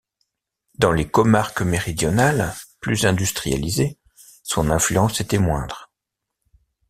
Dans les comarques méridionales, plus industrialisées, son influence était moindre.